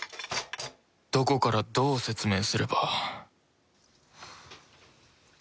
どこからどう説明すれば